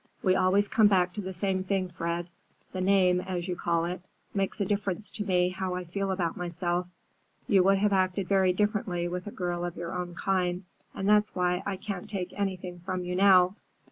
"We always come back to the same thing, Fred. The name, as you call it, makes a difference to me how I feel about myself. You would have acted very differently with a girl of your own kind, and that's why I can't take anything from you now.